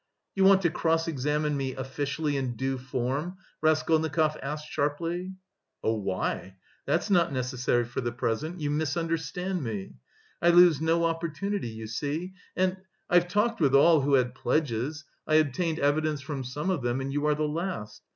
"You want to cross examine me officially in due form?" Raskolnikov asked sharply. "Oh, why? That's not necessary for the present. You misunderstand me. I lose no opportunity, you see, and... I've talked with all who had pledges.... I obtained evidence from some of them, and you are the last....